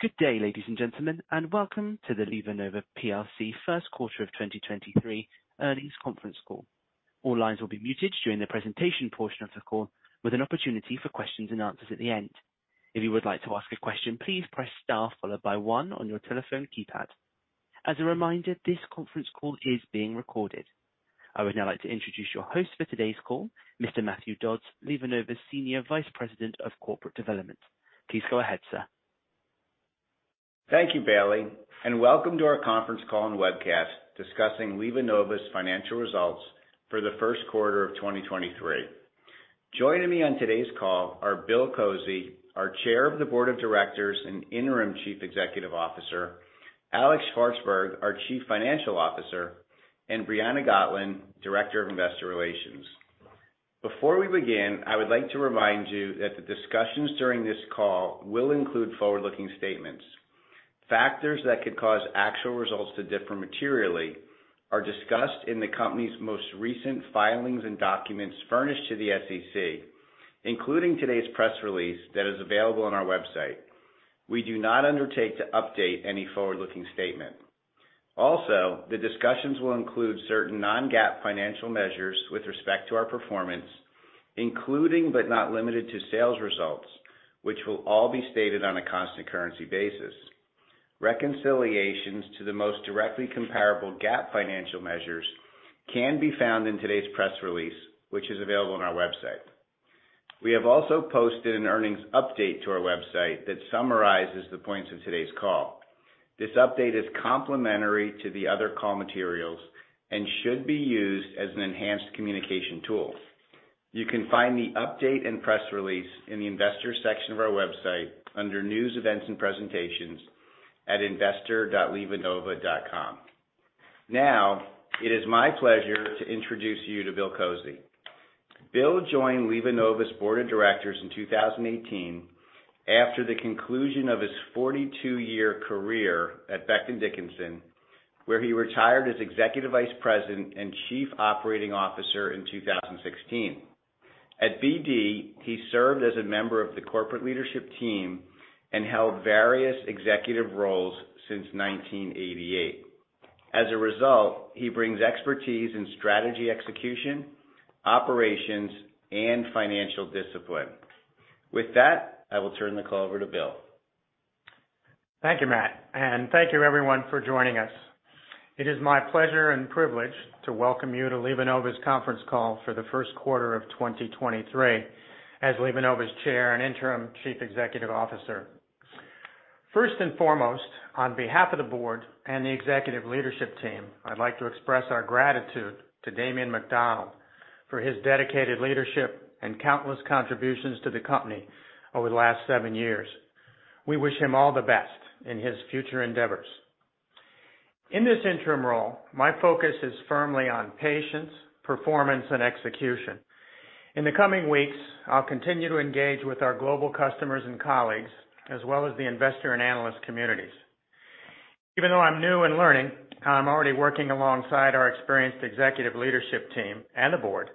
Good day, ladies and gentlemen, and welcome to the LivaNova PLC first quarter of 2023 earnings conference call. All lines will be muted during the presentation portion of the call, with an opportunity for questions and answers at the end. If you would like to ask a question, please press star one on your telephone keypad. As a reminder, this conference call is being recorded. I would now like to introduce your host for today's call, Mr. Matthew Dodds, LivaNova's Senior Vice President of Corporate Development. Please go ahead, sir. Thank you, Bailey, and welcome to our conference call and webcast discussing LivaNova's financial results for the first quarter of 2023. Joining me on today's call are Bill Kozy, our Chair of the Board of Directors and Interim Chief Executive Officer, Alex Shvartsburg, our Chief Financial Officer, and Briana Gotlin, Director of Investor Relations. Before we begin, I would like to remind you that the discussions during this call will include forward-looking statements. Factors that could cause actual results to differ materially are discussed in the company's most recent filings and documents furnished to the SEC, including today's press release that is available on our website. We do not undertake to update any forward-looking statement. Also, the discussions will include certain non-GAAP financial measures with respect to our performance, including but not limited to sales results, which will all be stated on a constant currency basis. Reconciliations to the most directly comparable GAAP financial measures can be found in today's press release, which is available on our website. We have also posted an earnings update to our website that summarizes the points of today's call. This update is complementary to the other call materials and should be used as an enhanced communication tool. You can find the update and press release in the Investor section of our website under News, Events, and Presentations at investor.livanova.com. Now, it is my pleasure to introduce you to Bill Kozy. Bill joined LivaNova's board of directors in 2018 after the conclusion of his 42-year career at Becton Dickinson, where he retired as Executive Vice President and Chief Operating Officer in 2016. At BD, he served as a member of the corporate leadership team and held various executive roles since 1988. As a result, he brings expertise in strategy execution, operations, and financial discipline. With that, I will turn the call over to Bill. Thank you, Matt, and thank you everyone for joining us. It is my pleasure and privilege to welcome you to LivaNova's conference call for the first quarter of 2023 as LivaNova's Chair and Interim Chief Executive Officer. First and foremost, on behalf of the board and the executive leadership team, I'd like to express our gratitude to Damien McDonald for his dedicated leadership and countless contributions to the company over the last seven years. We wish him all the best in his future endeavors. In this interim role, my focus is firmly on patience, performance, and execution. In the coming weeks, I'll continue to engage with our global customers and colleagues, as well as the investor and analyst communities. Even though I'm new and learning, I'm already working alongside our experienced executive leadership team and the board,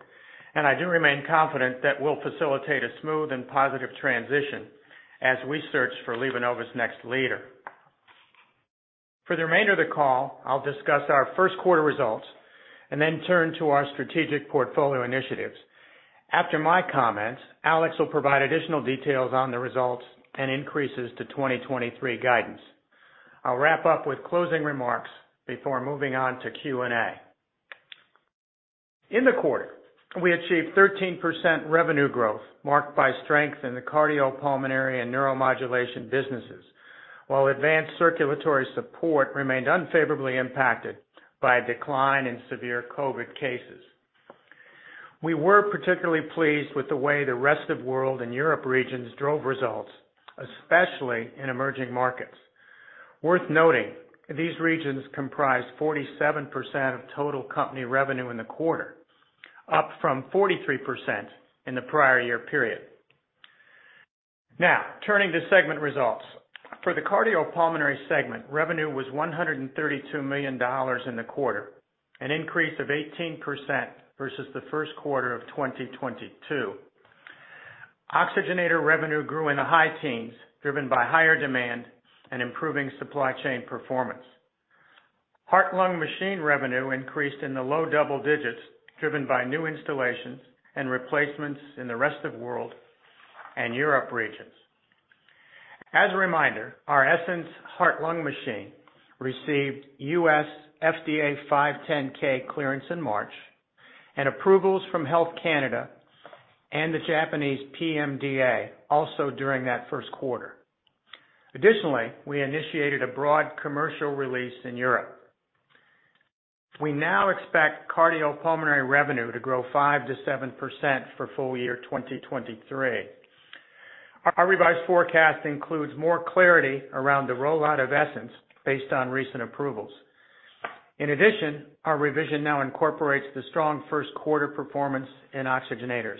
and I do remain confident that we'll facilitate a smooth and positive transition as we search for LivaNova's next leader. For the remainder of the call, I'll discuss our first quarter results and then turn to our strategic portfolio initiatives. After my comments, Alex will provide additional details on the results and increases to 2023 guidance. I'll wrap up with closing remarks before moving on to Q&A. In the quarter, we achieved 13% revenue growth marked by strength in the cardiopulmonary and neuromodulation businesses, while advanced circulatory support remained unfavorably impacted by a decline in severe COVID cases. We were particularly pleased with the way the rest of world and Europe regions drove results, especially in emerging markets. Worth noting, these regions comprise 47% of total company revenue in the quarter, up from 43% in the prior year period. Turning to segment results. For the cardiopulmonary segment, revenue was $132 million in the quarter, an increase of 18% versus the first quarter of 2022. Oxygenator revenue grew in the high teens, driven by higher demand and improving supply chain performance. Heart-lung machine revenue increased in the low double digits, driven by new installations and replacements in the rest of world and Europe regions. As a reminder, our Essenz heart-lung machine received FDA 510(k) clearance in March and approvals from Health Canada and the Japanese PMDA also during that first quarter. Additionally, we initiated a broad commercial release in Europe. We now expect cardiopulmonary revenue to grow 5% to 7% for full year 2023. Our revised forecast includes more clarity around the rollout of Essenz based on recent approvals. Our revision now incorporates the strong first quarter performance in oxygenators.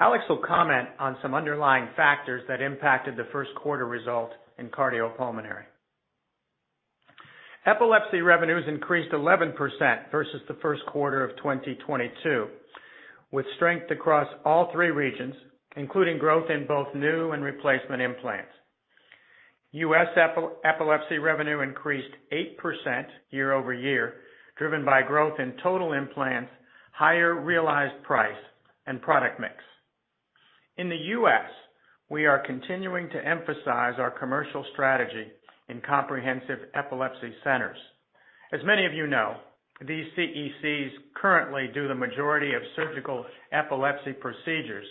Alex will comment on some underlying factors that impacted the first quarter result in cardiopulmonary. Epilepsy revenues increased 11% versus the first quarter of 2022, with strength across all three regions, including growth in both new and replacement implants. U.S. epilepsy revenue increased 8% year over year, driven by growth in total implants, higher realized price and product mix. We are continuing to emphasize our commercial strategy in Comprehensive Epilepsy Centers. As many of you know, these CECs currently do the majority of surgical epilepsy procedures,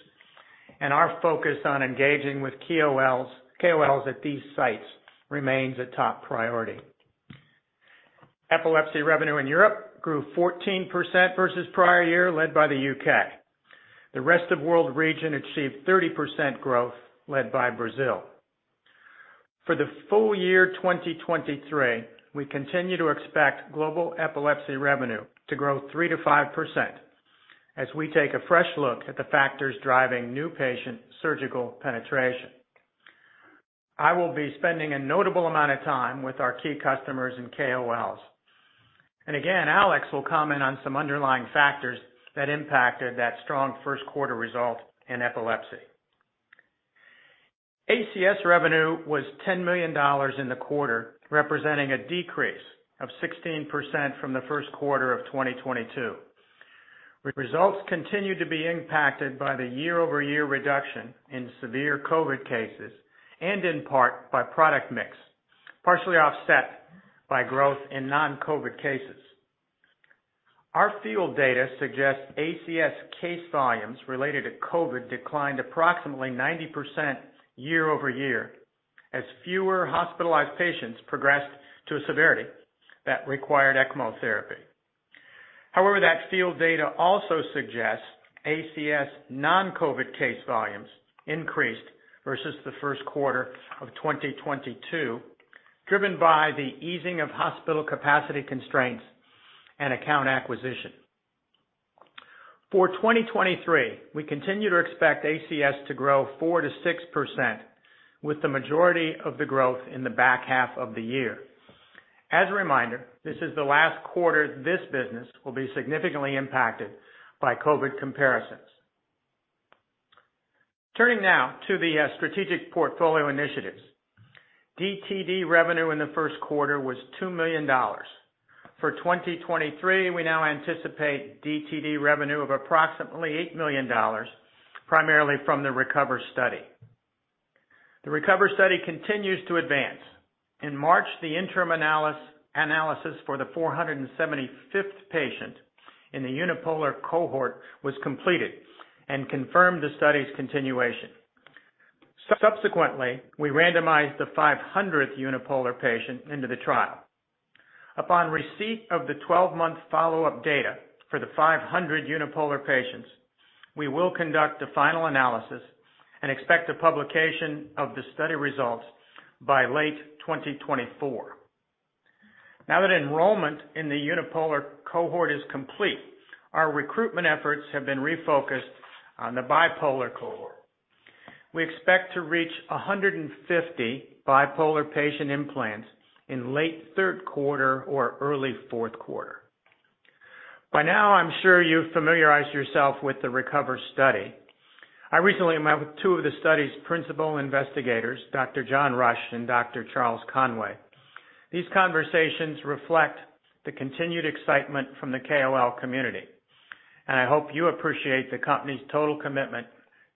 and our focus on engaging with KOLs at these sites remains a top priority. Epilepsy revenue in Europe grew 14% versus prior year, led by the U.K. The rest of world region achieved 30% growth led by Brazil. For the full year 2023, we continue to expect global epilepsy revenue to grow 3% to 5% as we take a fresh look at the factors driving new patient surgical penetration. I will be spending a notable amount of time with our key customers and KOLs. Again, Alex will comment on some underlying factors that impacted that strong first quarter result in epilepsy. ACS revenue was $10 million in the quarter, representing a decrease of 16% from the first quarter of 2022. Results continued to be impacted by the year-over-year reduction in severe COVID cases, in part by product mix, partially offset by growth in non-COVID cases. Our field data suggests ACS case volumes related to COVID declined approximately 90% year-over-year, as fewer hospitalized patients progressed to a severity that required ECMO therapy. That field data also suggests ACS non-COVID case volumes increased versus the first quarter of 2022, driven by the easing of hospital capacity constraints and account acquisition. For 2023, we continue to expect ACS to grow 4% to 6%, with the majority of the growth in the back half of the year. As a reminder, this is the last quarter this business will be significantly impacted by COVID comparisons. Turning now to the strategic portfolio initiatives. DTD revenue in the first quarter was $2 million. For 2023, we now anticipate DTD revenue of approximately $8 million, primarily from the RECOVER study. The RECOVER study continues to advance. In March, the interim analysis for the 475th patient in the unipolar cohort was completed and confirmed the study's continuation. We randomized the 500th unipolar patient into the trial. Upon receipt of the 12-month follow-up data for the 500 unipolar patients, we will conduct a final analysis and expect a publication of the study results by late 2024. Now that enrollment in the unipolar cohort is complete, our recruitment efforts have been refocused on the bipolar cohort. We expect to reach 150 bipolar patient implants in late third quarter or early fourth quarter. By now, I'm sure you've familiarized yourself with the RECOVER study. I recently met with two of the study's principal investigators, Dr. John Rush and Dr. Charles Conway. These conversations reflect the continued excitement from the KOL community, and I hope you appreciate the company's total commitment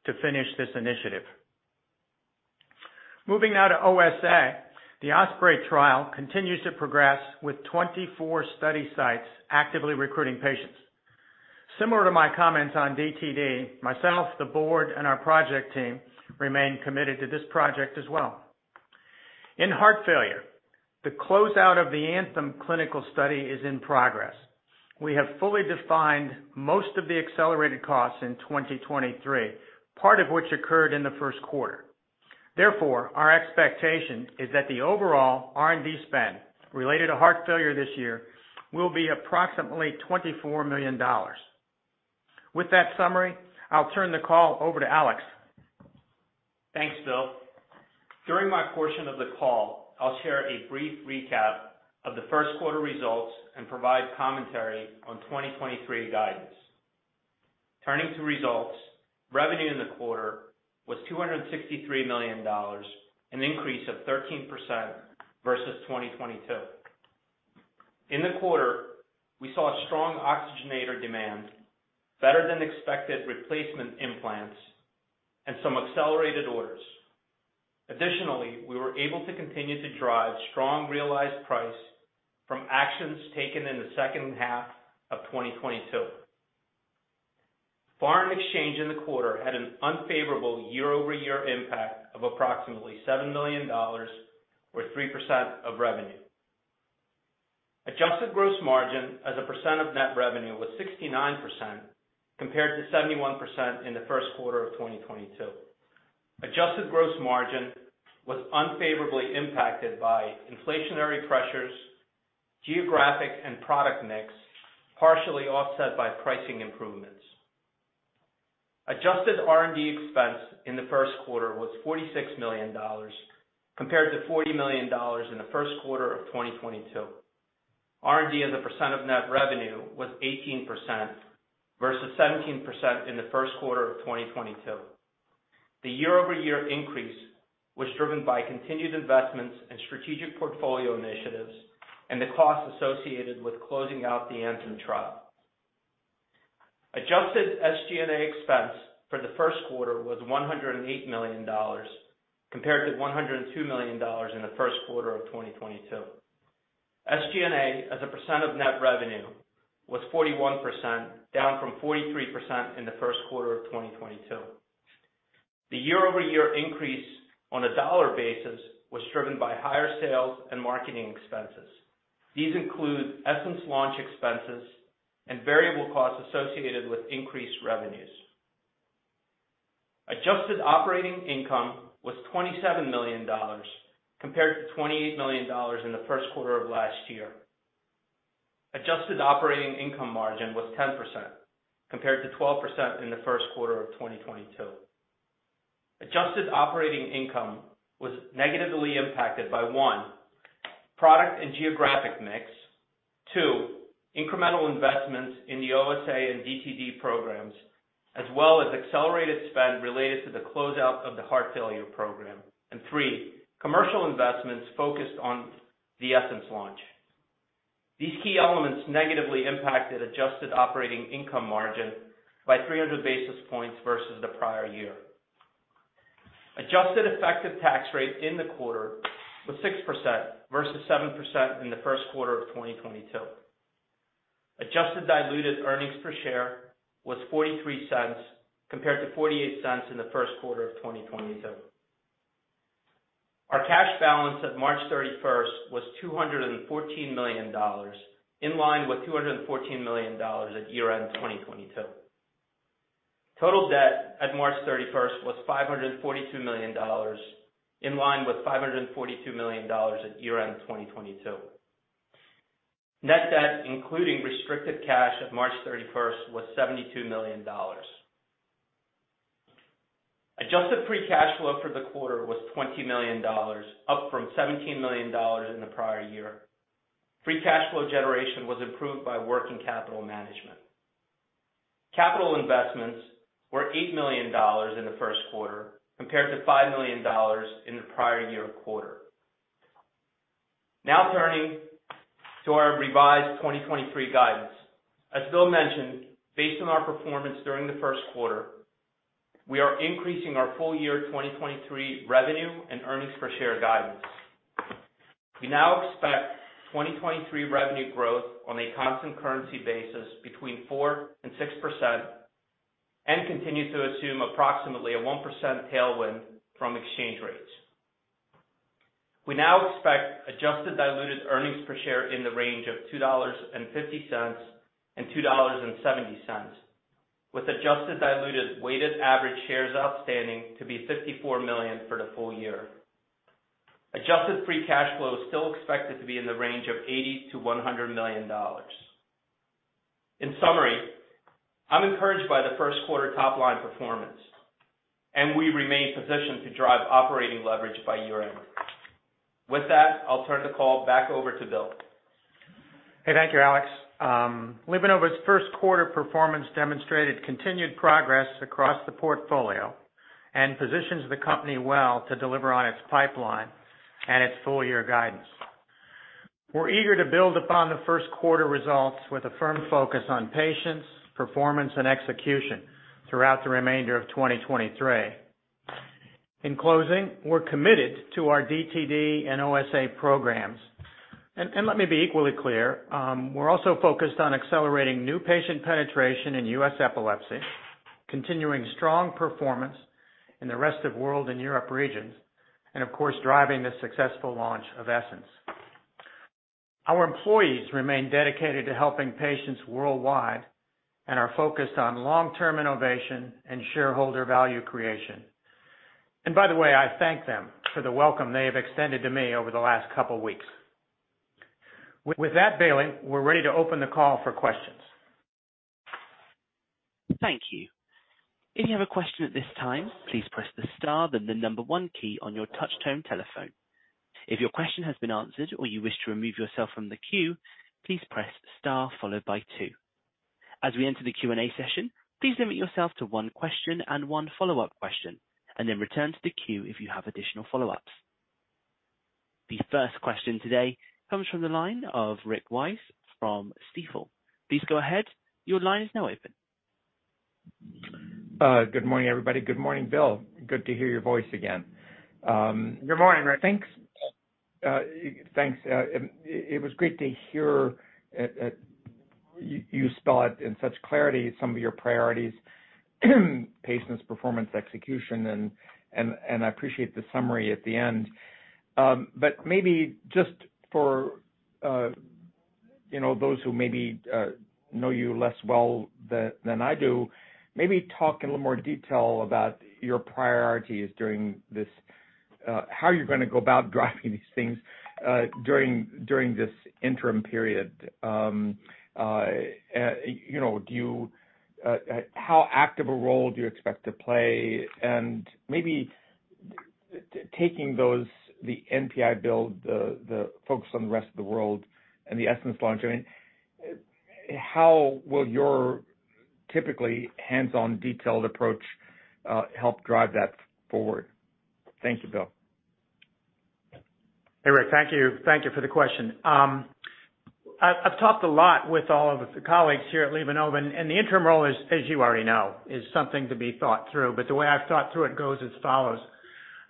to finish this initiative. Moving now to OSA. The OSPREY trial continues to progress with 24 study sites actively recruiting patients. Similar to my comments on DTD, myself, the board, and our project team remain committed to this project as well. In heart failure, the closeout of the ANTHEM clinical study is in progress. We have fully defined most of the accelerated costs in 2023, part of which occurred in the first quarter. Therefore, our expectation is that the overall R&D spend related to heart failure this year will be approximately $24 million. With that summary, I'll turn the call over to Alex. Thanks, Bill. During my portion of the call, I'll share a brief recap of the first quarter results and provide commentary on 2023 guidance. Turning to results. Revenue in the quarter was $263 million, an increase of 13% versus 2022. In the quarter, we saw strong oxygenator demand, better than expected replacement implants, and some accelerated orders. Additionally, we were able to continue to drive strong realized price from actions taken in the second half of 2022. Foreign exchange in the quarter had an unfavorable year-over-year impact of approximately $7 million or 3% of revenue. Adjusted gross margin as a percent of net revenue was 69%, compared to 71% in the first quarter of 2022. Adjusted gross margin was unfavorably impacted by inflationary pressures, geographic and product mix, partially offset by pricing improvements. Adjusted R&D expense in the first quarter was $46 million compared to $40 million in the first quarter of 2022. R&D as a percent of net revenue was 18% versus 17% in the first quarter of 2022. The year-over-year increase was driven by continued investments in strategic portfolio initiatives and the costs associated with closing out the ANTHEM trial. Adjusted SG&A expense for the first quarter was $108 million, compared to $102 million in the first quarter of 2022. SG&A as a percent of net revenue was 41%, down from 43% in the first quarter of 2022. The year-over-year increase on a dollar basis was driven by higher sales and marketing expenses. These include Essenz launch expenses and variable costs associated with increased revenues. Adjusted operating income was $27 million compared to $28 million in the first quarter of last year. Adjusted operating income margin was 10% compared to 12% in the first quarter of 2022. Adjusted operating income was negatively impacted by, one, product and geographic mix. Two, incremental investments in the OSA and DTD programs, as well as accelerated spend related to the close out of the heart failure program. Three, commercial investments focused on the Essenz launch. These key elements negatively impacted adjusted operating income margin by 300 basis points versus the prior year. Adjusted effective tax rate in the quarter was 6% versus 7% in the first quarter of 2022. Adjusted diluted earnings per share was $0.43 compared to $0.48 in the first quarter of 2022. Our cash balance at March 31st was $214 million, in line with $214 million at year-end 2022. Total debt at March 31st was $542 million, in line with $542 million at year-end 2022. Net debt, including restricted cash at March 31st, was $72 million. Adjusted free cash flow for the quarter was $20 million, up from $17 million in the prior year. Free cash flow generation was improved by working capital management. Capital investments were $8 million in the first quarter compared to $5 million in the prior year quarter. Turning to our revised 2023 guidance. As Bill mentioned, based on our performance during the first quarter, we are increasing our full year 2023 revenue and earnings per share guidance. We now expect 2023 revenue growth on a constant currency basis between 4% and 6% and continue to assume approximately a 1% tailwind from exchange rates. We now expect adjusted diluted earnings per share in the range of $2.50 and $2.70, with adjusted diluted weighted average shares outstanding to be 54 million for the full year. Adjusted free cash flow is still expected to be in the range of $80 million-$100 million. In summary, I'm encouraged by the first quarter top line performance. We remain positioned to drive operating leverage by year-end. With that, I'll turn the call back over to Bill. Hey, thank you, Alex. LivaNova's first quarter performance demonstrated continued progress across the portfolio and positions the company well to deliver on its pipeline and its full-year guidance. We're eager to build upon the first quarter results with a firm focus on patients, performance, and execution throughout the remainder of 2023. In closing, we're committed to our DTD and OSA programs. Let me be equally clear, we're also focused on accelerating new patient penetration in U.S. epilepsy, continuing strong performance in the rest of world and Europe regions, and of course, driving the successful launch of Essenz. Our employees remain dedicated to helping patients worldwide and are focused on long-term innovation and shareholder value creation. By the way, I thank them for the welcome they have extended to me over the last couple weeks. With that, Bailey, we're ready to open the call for questions. Thank you. If you have a question at this time, please press the star then the number one key on your touch tone telephone. If your question has been answered or you wish to remove yourself from the queue, please press star followed by two. As we enter the Q&A session, please limit yourself to one question and one follow-up question, and then return to the queue if you have additional follow-ups. The first question today comes from the line of Rick Wise from Stifel. Please go ahead. Your line is now open. Good morning, everybody. Good morning, Bill. Good to hear your voice again. Good morning, Rick. Thanks. Thanks. It was great to hear you spell out in such clarity some of your priorities, patients, performance, execution, and I appreciate the summary at the end. Maybe just for, you know, those who maybe know you less well than I do, maybe talk in a little more detail about your priorities during this. How you're gonna go about driving these things during this interim period? You know, do you, how active a role do you expect to play? Maybe taking those, the NPI build, the focus on the rest of the world and the Essenz launch, I mean, how will your typically hands-on detailed approach, help drive that forward? Thank you, Bill. Hey, Rick. Thank you. Thank you for the question. I've talked a lot with all of the colleagues here at LivaNova, and the interim role is, as you already know, something to be thought through. The way I've thought through it goes as follows: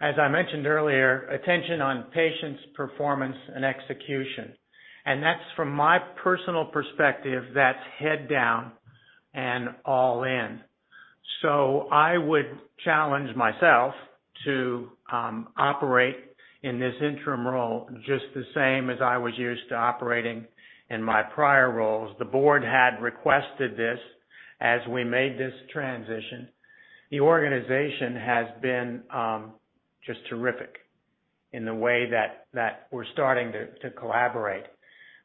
As I mentioned earlier, attention on patients, performance and execution. That's from my personal perspective, that's head down and all in. I would challenge myself to operate in this interim role just the same as I was used to operating in my prior roles. The board had requested this as we made this transition. The organization has been just terrific in the way that we're starting to collaborate.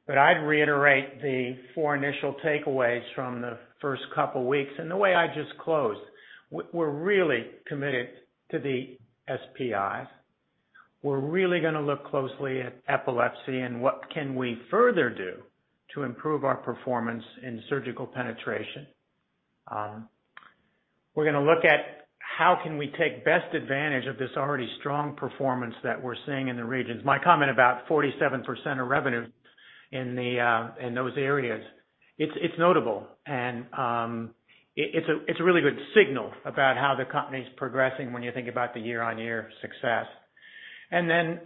I'd reiterate the four initial takeaways from the first couple weeks and the way I just closed. We're really committed to the SPIs. We're really gonna look closely at epilepsy and what can we further do to improve our performance in surgical penetration. We're gonna look at how can we take best advantage of this already strong performance that we're seeing in the regions. My comment about 47% of revenue in the in those areas, it's notable. It's a really good signal about how the company's progressing when you think about the year-on-year success. Essenz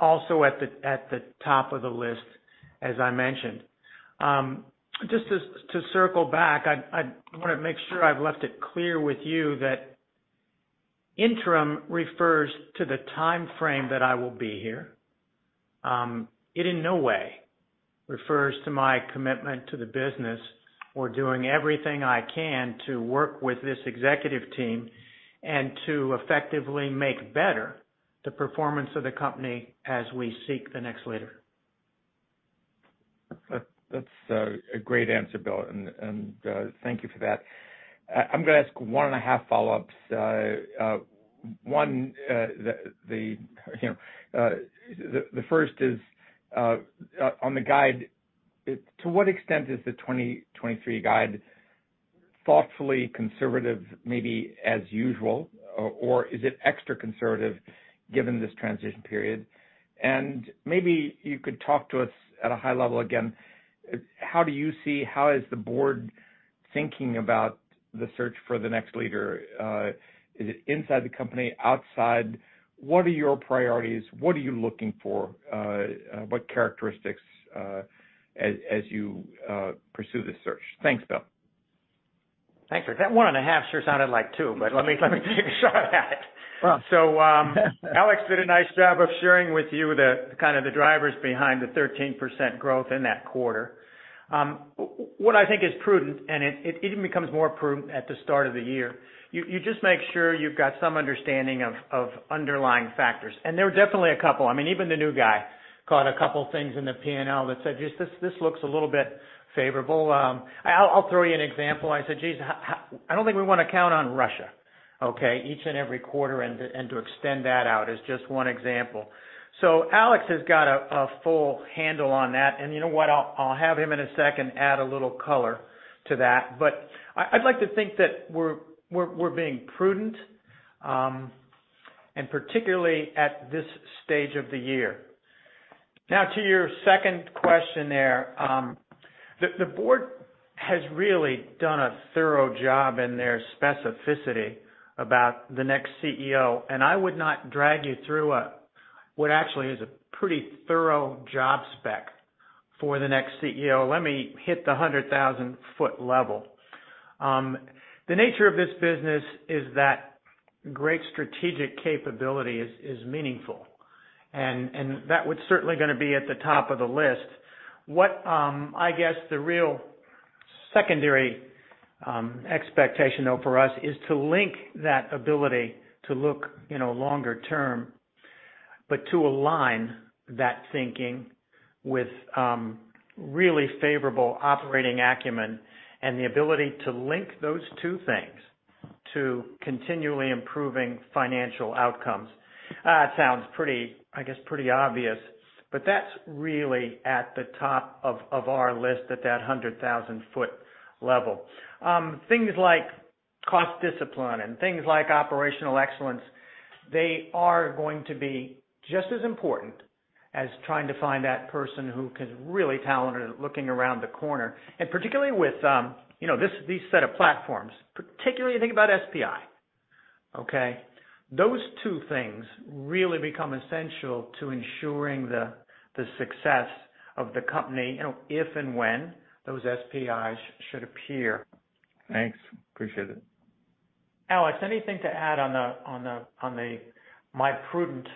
also at the top of the list, as I mentioned. Just to circle back, I wanna make sure I've left it clear with you that interim refers to the timeframe that I will be here. It in no way refers to my commitment to the business or doing everything I can to work with this executive team and to effectively make better the performance of the company as we seek the next leader. That's a great answer, Bill, and thank you for that. I'm gonna ask one and a half follow-ups. One, the, you know, the first is on the guide, to what extent is the 2023 guide thoughtfully conservative, maybe as usual, or is it extra conservative given this transition period? Maybe you could talk to us at a high level again, how do you see, how is the board thinking about the search for the next leader? Is it inside the company? Outside? What are your priorities? What are you looking for, what characteristics, as you pursue this search? Thanks, Bill. Thanks, Rick. That one and a half sure sounded like two, but let me take a shot at it. Well. Alex did a nice job of sharing with you the kind of the drivers behind the 13% growth in that quarter. What I think is prudent, and it even becomes more prudent at the start of the year, you just make sure you've got some understanding of underlying factors. There were definitely a couple. I mean, even the new guy caught a couple things in the P&L that said, "This looks a little bit favorable." I'll throw you an example. I said, "Geez, I don't think we wanna count on Russia, okay, each and every quarter, and to extend that out," is just 1 example. Alex has got a full handle on that. You know what, I'll have him in a second add a little color to that. I'd like to think that we're being prudent, and particularly at this stage of the year. To your second question there. The, the board has really done a thorough job in their specificity about the next CEO, and I would not drag you through a, what actually is a pretty thorough job spec for the next CEO. Let me hit the 100,000 foot level. The nature of this business is that great strategic capability is meaningful, and that was certainly gonna be at the top of the list. What I guess the real secondary expectation, though, for us is to link that ability to look, you know, longer term, but to align that thinking with really favorable operating acumen and the ability to link those two things to continually improving financial outcomes. It sounds pretty, I guess, pretty obvious, but that's really at the top of our list at that hundred thousand foot level. Things like cost discipline and things like operational excellence, they are going to be just as important as trying to find that person who is really talented at looking around the corner. Particularly with, you know, these set of platforms, particularly think about SPI, okay? Those two things really become essential to ensuring the success of the company, you know, if and when those SPIs should appear. Thanks. Appreciate it. Alex, anything to add on the my prudent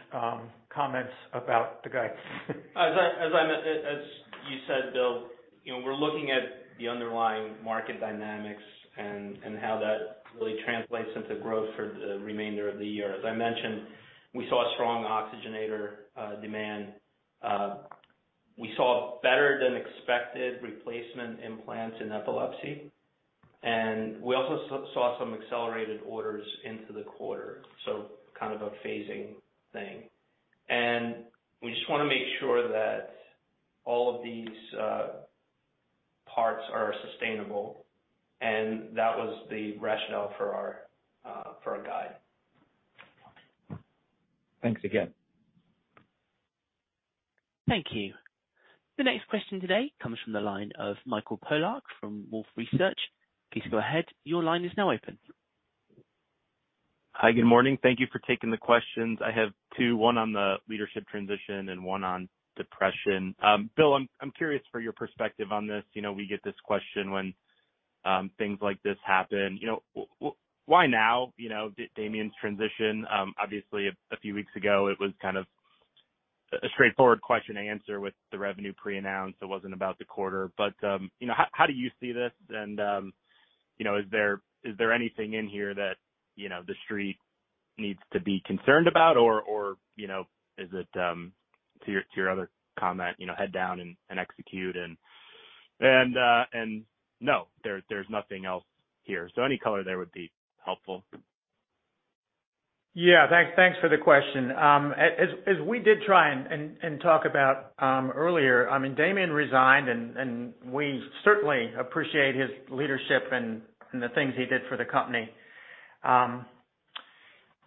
comments about the guy? As you said, Bill, you know, we're looking at the underlying market dynamics and how... It translates into growth for the remainder of the year. As I mentioned, we saw strong oxygenator demand. We saw better than expected replacement implants in epilepsy, and we also saw some accelerated orders into the quarter. Kind of a phasing thing. We just want to make sure that all of these parts are sustainable. That was the rationale for our for our guide. Thanks again. Thank you. The next question today comes from the line of Michael Polark from Wolfe Research. Please go ahead. Your line is now open. Hi, good morning. Thank you for taking the questions. I have two, one on the leadership transition and one on depression. Bill, I'm curious for your perspective on this. You know, we get this question when things like this happen. You know, why now? You know, Damian's transition, obviously a few weeks ago, it was kind of a straightforward question and answer with the revenue pre-announce. It wasn't about the quarter. You know, how do you see this? You know, is there anything in here that, you know, the Street needs to be concerned about? Or, you know, is it to your other comment, you know, head down and execute and no, there's nothing else here. Any color there would be helpful. Yeah. Thanks for the question. As we did try and talk about earlier, I mean, Damien McDonald resigned and we certainly appreciate his leadership and the things he did for the company.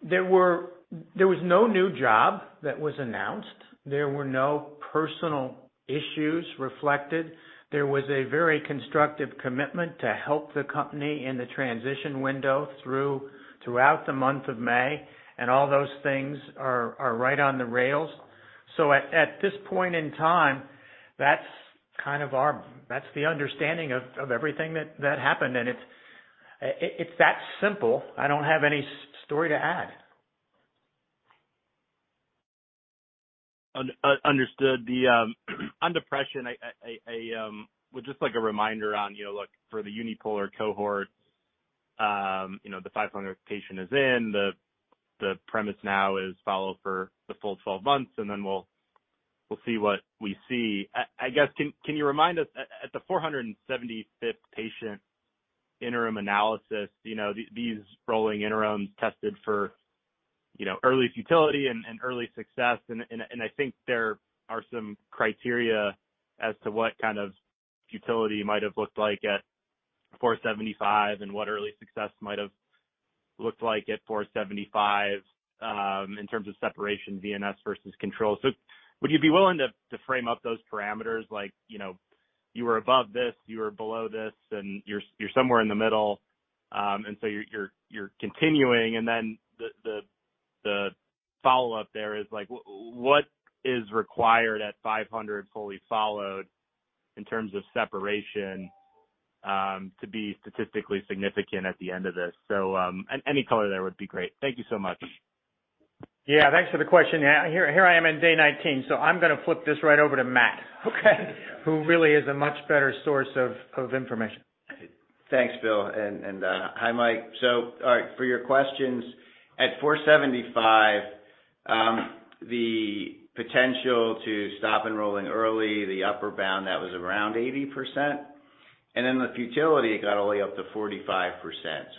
There was no new job that was announced. There were no personal issues reflected. There was a very constructive commitment to help the company in the transition window throughout the month of May. All those things are right on the rails. At this point in time, that's kind of the understanding of everything that happened. It's that simple. I don't have any story to add. Understood. The on depression, I, would just like a reminder on, you know, look for the unipolar cohort, you know, the 500 patient is in. The premise now is follow for the full 12 months, and then we'll see what we see. I guess, can you remind us at the 475th patient interim analysis, you know, these rolling interims tested for, you know, early futility and early success. I think there are some criteria as to what kind of futility might have looked like at 475 and what early success might have looked like at 475, in terms of separation VNS versus control. Would you be willing to frame up those parameters like, you know, you were above this, you were below this, and you're somewhere in the middle, and so you're continuing. The follow-up there is like, what is required at 500 fully followed in terms of separation, to be statistically significant at the end of this? Any color there would be great. Thank you so much. Yeah, thanks for the question. Here I am in day 19, I'm gonna flip this right over to Matt, okay, who really is a much better source of information. Thanks, Bill, and hi, Mike. All right, for your questions. At 475, the potential to stop enrolling early, the upper bound, that was around 80%. The futility got only up to 45%.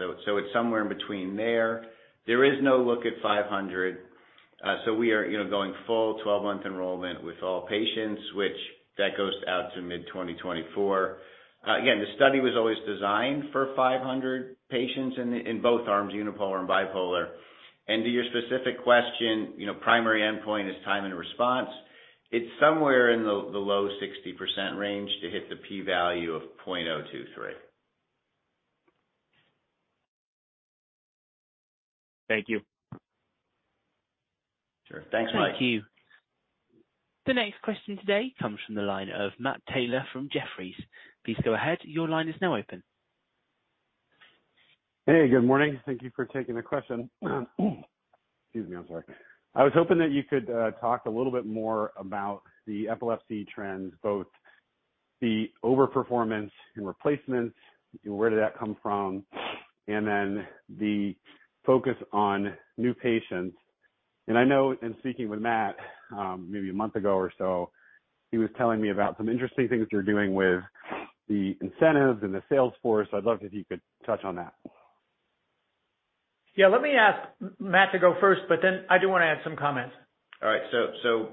It's somewhere in between there. There is no look at 500. We are, you know, going full 12-month enrollment with all patients, which that goes out to mid-2024. Again, the study was always designed for 500 patients in both arms, unipolar and bipolar. To your specific question, you know, primary endpoint is time and response. It's somewhere in the low 60% range to hit the P value of 0.023. Thank you. Sure. Thanks, Mike. Thank you. The next question today comes from the line of Matt Taylor from Jefferies. Please go ahead. Your line is now open. Hey, good morning. Thank you for taking the question. Excuse me, I'm sorry. I was hoping that you could talk a little bit more about the epilepsy trends, both the overperformance in replacements, where did that come from? Then the focus on new patients. I know in speaking with Matt, maybe a month ago or so, he was telling me about some interesting things you're doing with the incentives and the sales force. I'd love if you could touch on that. Yeah, let me ask Matt to go first, but then I do wanna add some comments. All right.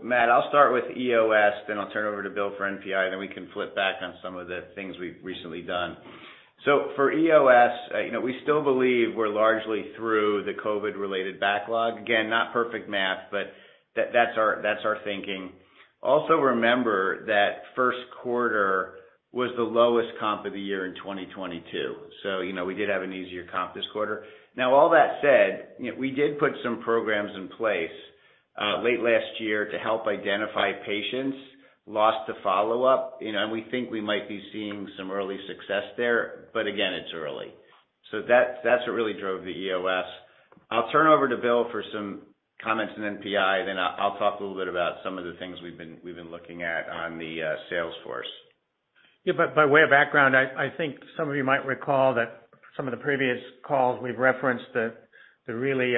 Matt, I'll start with EOS, then I'll turn it over to Bill for NPI, then we can flip back on some of the things we've recently done. For EOS, you know, we still believe we're largely through the COVID-related backlog. Again, not perfect math, but that's our thinking. Also, remember that first quarter was the lowest comp of the year in 2022. You know, we did have an easier comp this quarter. Now, all that said, you know, we did put some programs in place late last year to help identify patients lost to follow-up. You know, and we think we might be seeing some early success there, but again, it's early. That's what really drove the EOS. I'll turn over to Bill for some comments on NPI, then I'll talk a little bit about some of the things we've been looking at on the sales force. Yeah, by way of background, I think some of you might recall that some of the previous calls we've referenced the really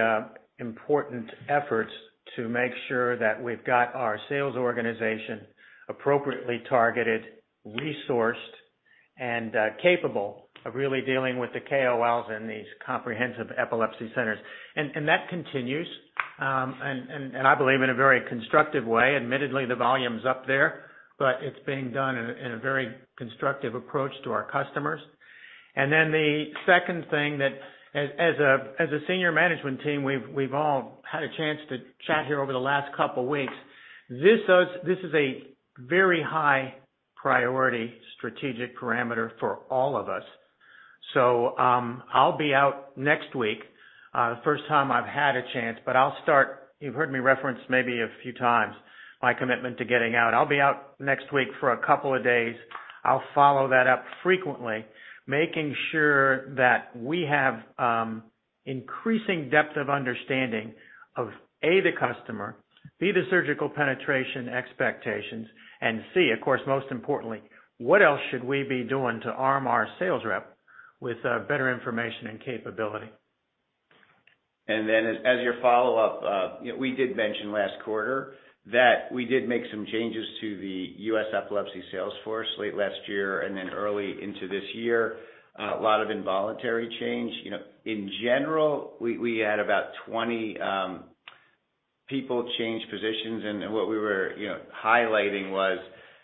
important efforts to make sure that we've got our sales organization appropriately targeted, resourced, and capable of really dealing with the KOLs in these Comprehensive Epilepsy Centers. That continues, and I believe in a very constructive way. Admittedly, the volume's up there, but it's being done in a very constructive approach to our customers. The second thing that as a senior management team, we've all had a chance to chat here over the last couple weeks. This is a very high priority strategic parameter for all of us. I'll be out next week, first time I've had a chance, but I'll start... You've heard me reference maybe a few times my commitment to getting out. I'll be out next week for a couple of days. I'll follow that up frequently, making sure that we have increasing depth of understanding of, A, the customer, B, the surgical penetration expectations, and C, of course, most importantly, what else should we be doing to arm our sales rep with better information and capability. As your follow-up, you know, we did mention last quarter that we did make some changes to the U.S. epilepsy sales force late last year and then early into this year. A lot of involuntary change. You know, in general, we had about 20 people change positions, what we were, you know, highlighting was,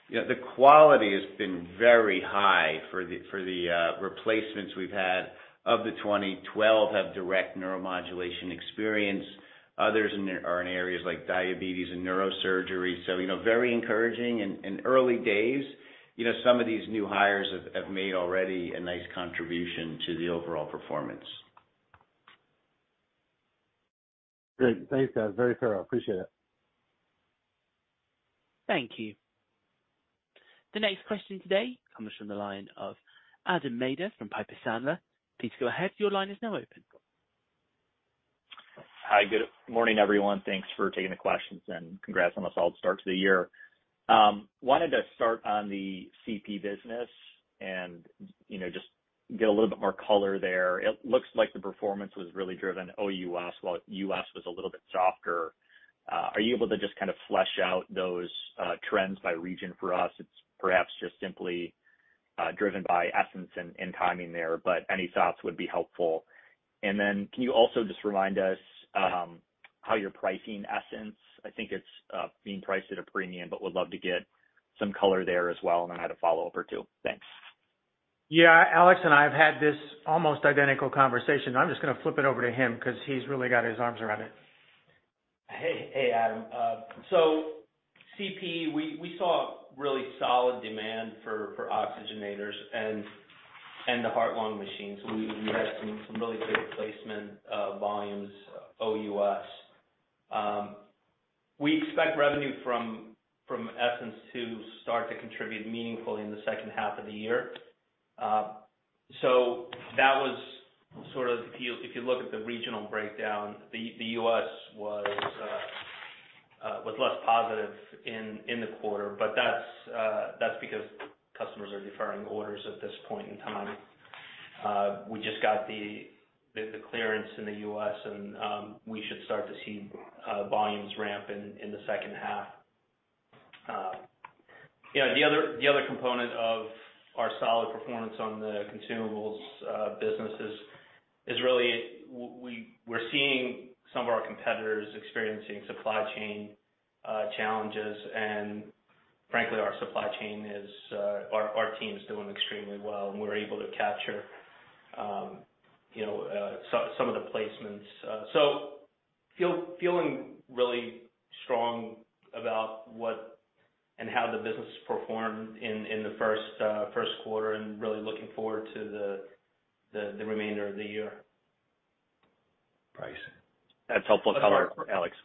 you know, the quality has been very high for the replacements we've had. Of the 20, 12 have direct neuromodulation experience, others are in areas like diabetes and neurosurgery. You know, very encouraging. In early days, you know, some of these new hires have made already a nice contribution to the overall performance. Great. Thanks, guys. Very thorough. Appreciate it. Thank you. The next question today comes from the line of Adam Maeder from Piper Sandler. Please go ahead. Your line is now open. Hi. Good morning, everyone. Thanks for taking the questions, and congrats on a solid start to the year. Wanted to start on the CP business and, you know, just get a little bit more color there. It looks like the performance was really driven OUS while U.S. was a little bit softer. Are you able to just kind of flesh out those trends by region for us? It's perhaps just simply driven by Essenz and timing there, but any thoughts would be helpful. Can you also just remind us how you're pricing Essenz? I think it's being priced at a premium, but would love to get some color there as well. I had a follow-up or two. Thanks. Yeah. Alex and I have had this almost identical conversation. I'm just gonna flip it over to him because he's really got his arms around it. Hey. Hey, Adam. CP, we saw really solid demand for oxygenators and the heart-lung machines. We had some really good placement volumes OUS. We expect revenue from Essenz to start to contribute meaningfully in the second half of the year. That was sort of if you look at the regional breakdown, the US was less positive in the quarter, but that's because customers are deferring orders at this point in time. We just got the clearance in the US, and we should start to see volumes ramp in the second half. You know, the other component of our solid performance on the consumables business is really we're seeing some of our competitors experiencing supply chain challenges. Frankly, our supply chain is our team's doing extremely well, and we're able to capture, you know, some of the placements So feeling really strong about what and how the business performed in the first quarter and really looking forward to the remainder of the year. Price. That's helpful color, Alex.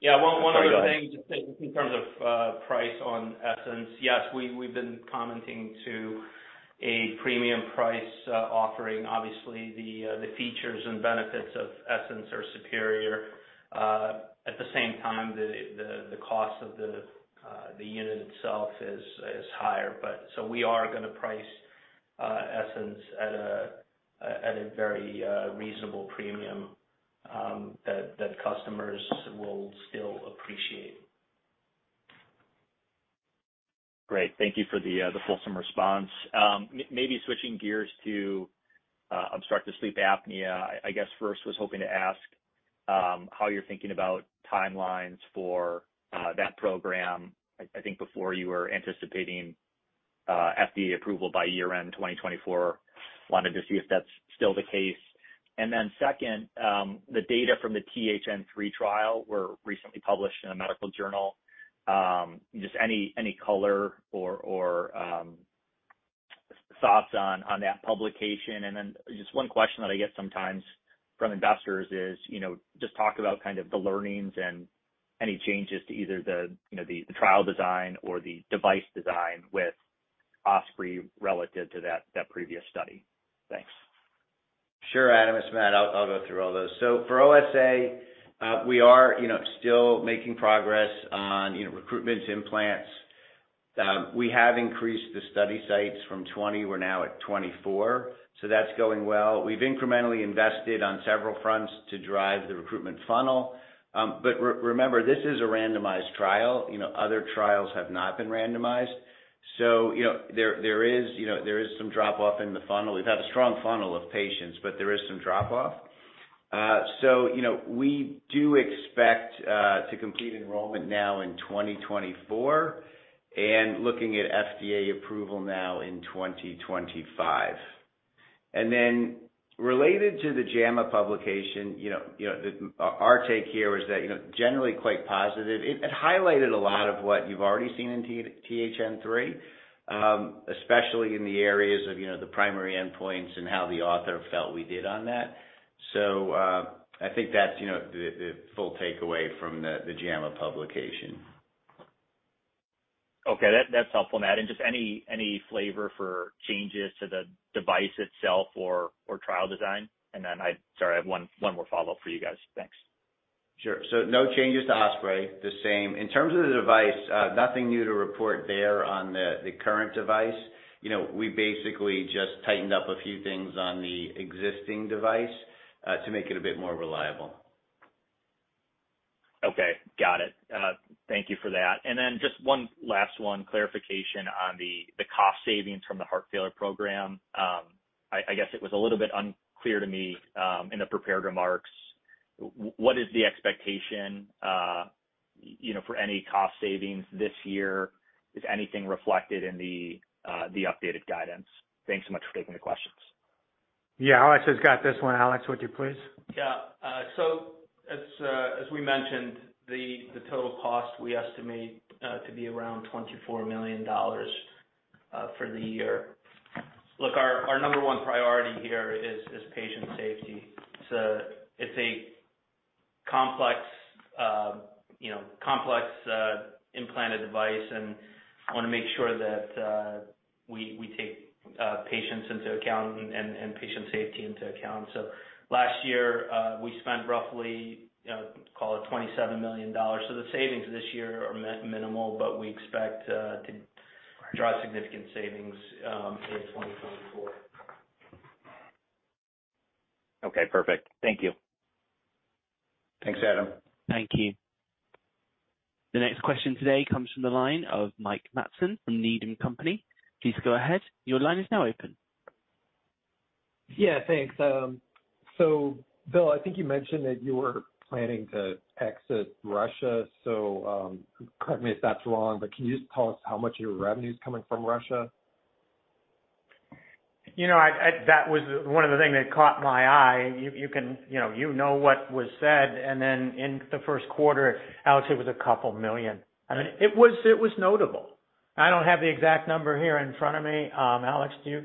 Yeah. One other thing. Sorry, go ahead. Just in terms of price on Essenz. Yes, we've been commenting to a premium price offering. Obviously, the features and benefits of Essenz are superior. At the same time, the cost of the unit itself is higher. We are gonna price Essenz at a very reasonable premium that customers will still appreciate. Great. Thank you for the fulsome response. Maybe switching gears to obstructive sleep apnea. I guess first was hoping to ask how you're thinking about timelines for that program. I think before you were anticipating FDA approval by year-end 2024. Wanted to see if that's still the case. Second, the data from the THN3 trial were recently published in a medical journal. Just any color or thoughts on that publication? Just one question that I get sometimes from investors is, you know, just talk about kind of the learnings and any changes to either the, you know, the trial design or the device design with OSPREY relative to that previous study. Thanks. Sure, Adam. It's Matt, I'll go through all those. For OSA, we are, you know, still making progress on, you know, recruitment to implants. We have increased the study sites from 20, we're now at 24, that's going well. We've incrementally invested on several fronts to drive the recruitment funnel. Remember, this is a randomized trial, you know, other trials have not been randomized. You know, there is, you know, there is some drop-off in the funnel. We've had a strong funnel of patients, but there is some drop-off. You know, we do expect to complete enrollment now in 2024 and looking at FDA approval now in 2025. Related to the JAMA publication, you know, our take here was that, you know, generally quite positive. It highlighted a lot of what you've already seen in THN3, especially in the areas of, you know, the primary endpoints and how the author felt we did on that. I think that's, you know, the full takeaway from the JAMA publication. Okay. That's helpful, Matt. Just any flavor for changes to the device itself or trial design? Sorry, I have one more follow-up for you guys. Thanks. Sure. No changes to OSPREY, the same. In terms of the device, nothing new to report there on the current device. You know, we basically just tightened up a few things on the existing device to make it a bit more reliable. Okay. Got it. Thank you for that. Just one last one, clarification on the cost savings from the heart failure program. I guess it was a little bit unclear to me in the prepared remarks. What is the expectation, you know, for any cost savings this year? Is anything reflected in the updated guidance? Thanks so much for taking the questions. Alex has got this one. Alex, would you please? Yeah. So as we mentioned, the total cost we estimate to be around $24 million for the year. Look, our number one priority here is patient safety. It's a, it's a complex, you know, complex implanted device, and I wanna make sure that we take patients into account and, and patient safety into account. Last year, we spent roughly, call it $27 million. The savings this year are minimal, but we expect to drive significant savings in 2024. Okay, perfect. Thank you. Thanks, Adam. Thank you. The next question today comes from the line of Mike Matson from Needham & Company. Please go ahead. Your line is now open. Yeah, thanks. Bill, I think you mentioned that you were planning to exit Russia, so, correct me if that's wrong, but can you just tell us how much of your revenue is coming from Russia? You know, I. That was one of the things that caught my eye. You can. You know, you know what was said. In the first quarter, Alex, it was a couple million USD. I mean, it was notable. I don't have the exact number here in front of me. Alex, do you?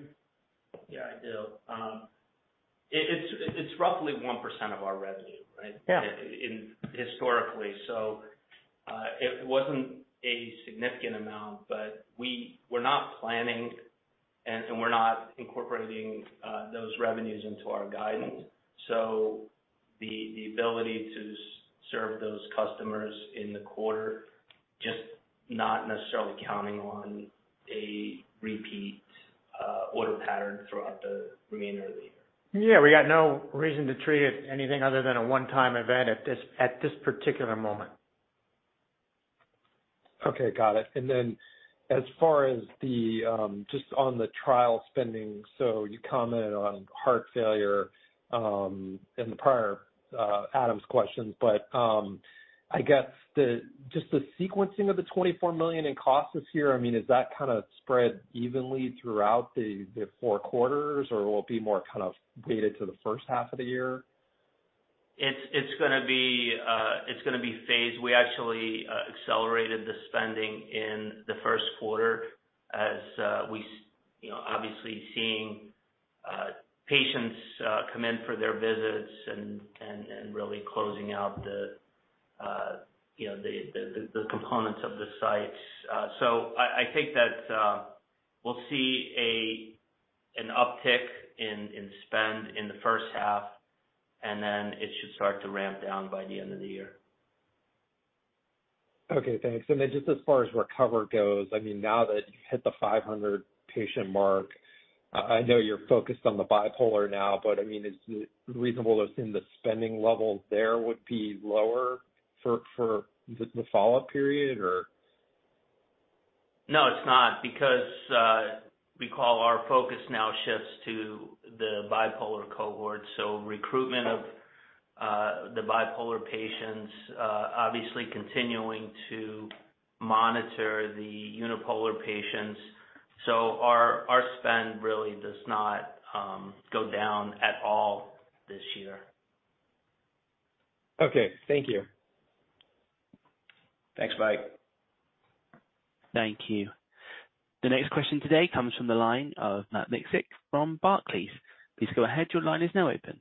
Yeah, I do. It's roughly 1% of our revenue, right? Yeah. In, historically. It wasn't a significant amount, but we're not planning and we're not incorporating those revenues into our guidance. The ability to serve those customers in the quarter, just not necessarily counting on a repeat order pattern throughout the remainder of the year. Yeah. We got no reason to treat it anything other than a one-time event at this, at this particular moment. Okay, got it. As far as the just on the trial spending, you commented on heart failure in the prior Adam's questions, I guess just the sequencing of the $24 million in costs this year, I mean, is that kinda spread evenly throughout the four quarters, or will it be more kind of weighted to the first half of the year? It's gonna be phased. We actually accelerated the spending in the first quarter as we, you know, obviously seeing patients come in for their visits and really closing out the, you know, the components of the sites. I think that we'll see an uptick in spend in the first half, and then it should start to ramp down by the end of the year. Okay, thanks. Just as far as RECOVER goes, I mean, now that you've hit the 500 patient mark, I know you're focused on the bipolar now, I mean, is it reasonable to assume the spending level there would be lower for the follow-up period or? No, it's not because, recall our focus now shifts to the bipolar cohort. Recruitment of the bipolar patients, obviously continuing to monitor the unipolar patients. Our, our spend really does not go down at all this year. Okay, thank you. Thanks, Mike. Thank you. The next question today comes from the line of Matt Miksic from Barclays. Please go ahead, your line is now open.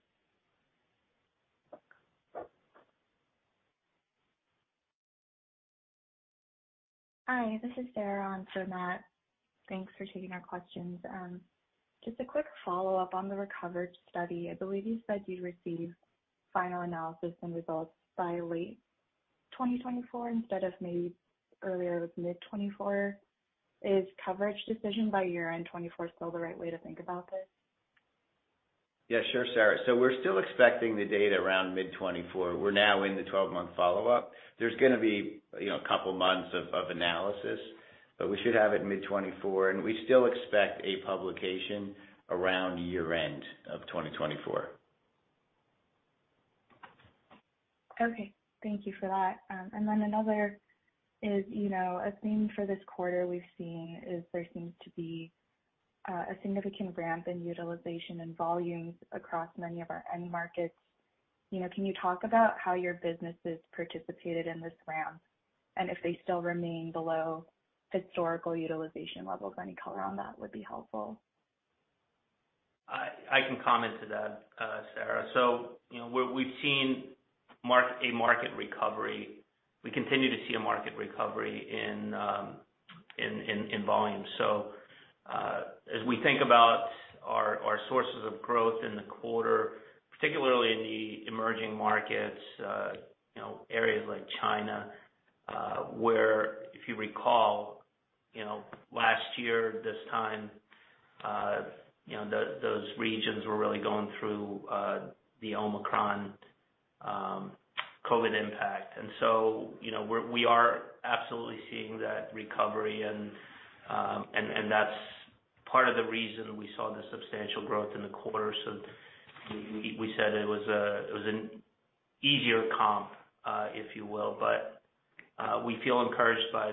Hi, this is Sarah Onsermat. Thanks for taking our questions. Just a quick follow-up on the RECOVER study. I believe you said you'd receive final analysis and results by late 2024 instead of maybe earlier, mid-2024. Is coverage decision by year-end 2024 still the right way to think about this? Yeah, sure, Sarah. We're still expecting the data around mid 2024. We're now in the 12-month follow-up. There's going to be, you know, a couple months of analysis. We should have it mid 2024. We still expect a publication around year end of 2024. Okay. Thank you for that. Then another is, you know, a theme for this quarter we've seen is there seems to be a significant ramp in utilization and volumes across many of our end markets. You know, can you talk about how your businesses participated in this ramp, and if they still remain below historical utilization levels? Any color on that would be helpful. I can comment to that, Sarah. You know, we've seen a market recovery. We continue to see a market recovery in volumes. As we think about our sources of growth in the quarter, particularly in the emerging markets, you know, areas like China, where if you recall, last year, this time, you know, those regions were really going through the Omicron COVID impact. You know, we are absolutely seeing that recovery and that's part of the reason we saw the substantial growth in the quarter. We said it was an easier comp, if you will. We feel encouraged by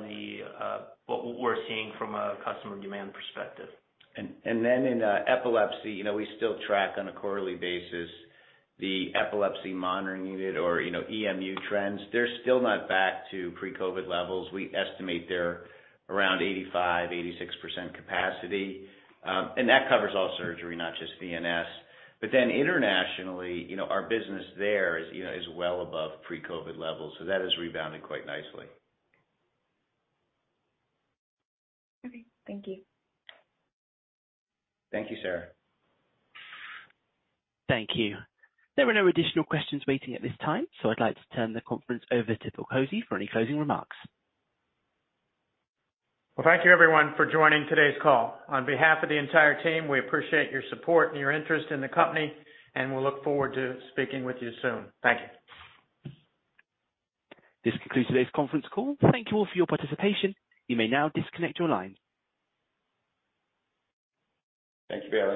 what we're seeing from a customer demand perspective. In epilepsy, you know, we still track on a quarterly basis the epilepsy monitoring unit or, you know, EMU trends. They're still not back to pre-COVID levels. We estimate they're around 85%-86% capacity. That covers all surgery, not just VNS. Internationally, you know, our business there is, you know, is well above pre-COVID levels, so that has rebounded quite nicely. Okay. Thank you. Thank you, Sarah. Thank you. There are no additional questions waiting at this time. I'd like to turn the conference over to Bill Kozy for any closing remarks. Well, thank you everyone for joining today's call. On behalf of the entire team, we appreciate your support and your interest in the company, and we'll look forward to speaking with you soon. Thank you. This concludes today's conference call. Thank you all for your participation. You may now disconnect your line. Thanks for dialing in.